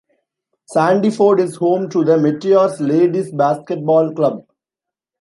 Sandyford is home to the Meteors Ladies' Basketball Club.